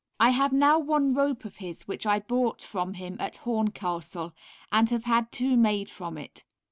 I have now one rope of his which I bought from him at Horncastle, and have had two made from it.